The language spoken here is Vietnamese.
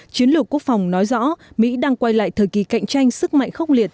chiến lược quốc phòng nói rõ mỹ đang quay lại thời kỳ cạnh tranh sức mạnh khốc liệt